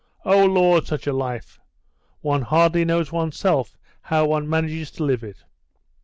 Oh, Lord, such a life! One hardly knows one's self how one manages to live it."